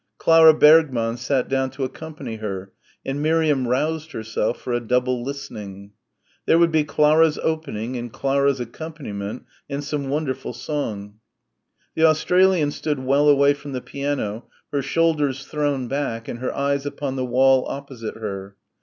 Clara Bergmann sat down to accompany her, and Miriam roused herself for a double listening. There would be Clara's opening and Clara's accompaniment and some wonderful song. The Australian stood well away from the piano, her shoulders thrown back and her eyes upon the wall opposite her.